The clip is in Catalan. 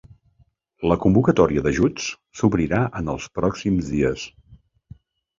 La convocatòria d’ajuts s’obrirà en els pròxims dies.